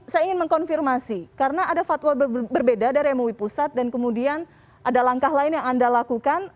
saya ingin mengkonfirmasi karena ada fatwa berbeda dari mui pusat dan kemudian ada langkah lain yang anda lakukan